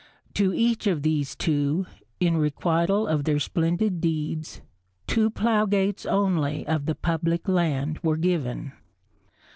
To each of these two, in requital of their splendid deeds, two ploughgates only of the public land were given.